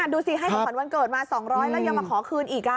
ดูสิให้ของขวัญวันเกิดมา๒๐๐แล้วยังมาขอคืนอีก